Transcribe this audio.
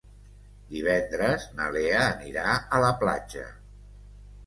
Divendres na Lea anirà a la platja.